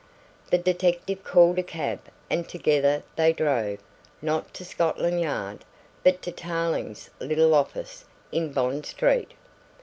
The detective called a cab and together they drove, not to Scotland Yard, but to Tarling's little office in Bond Street.